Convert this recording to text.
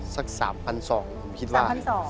สัก๓๒๐๐บาทผมคิดว่าสาว๓๒๐๐